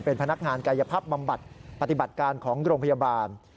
เป็นพนักงานกายภาพบำบัดปฏิบัติการของโรงพยาบาล